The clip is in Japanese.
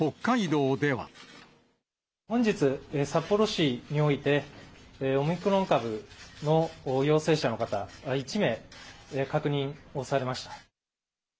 本日、札幌市において、オミクロン株の陽性者の方、１名、確認をされました。